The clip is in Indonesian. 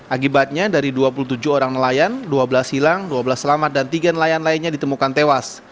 akibatnya dari dua puluh tujuh orang nelayan dua belas hilang dua belas selamat dan tiga nelayan lainnya ditemukan tewas